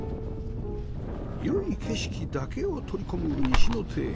良い景色だけを取り込む西野邸